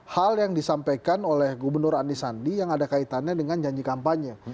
hal yang disampaikan oleh gubernur andi sandi yang ada kaitannya dengan janji kampanye